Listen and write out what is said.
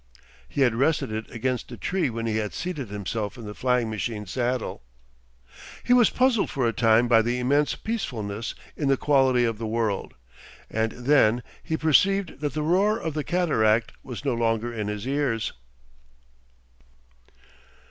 He had rested it against a tree when he had seated himself in the flying machine saddle. He was puzzled for a time by the immense peacefulness in the quality of the world, and then he perceived that the roar of the cataract was no longer in his ears.